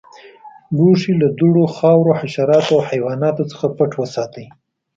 لوښي له دوړو، خاورو، حشراتو او حیواناتو څخه پټ وساتئ.